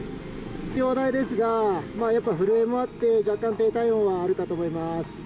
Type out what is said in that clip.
容体ですが、やっぱり震えもあって、若干低体温はあるかと思います。